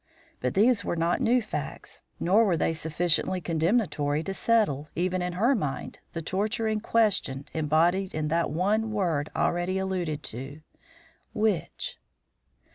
But these were not new facts, nor were they sufficiently condemnatory to settle, even in her mind, the torturing question embodied in that one word already alluded to: which?